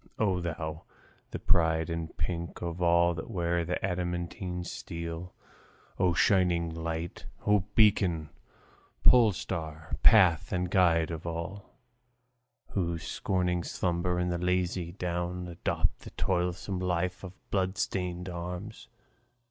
O thou, the pride and pink of all that I wear The adamantine steel! O shining light, O beacon, polestar, path and guide of all Who, scorning slumber and the lazy down, Adopt the toilsome life of bloodstained arms!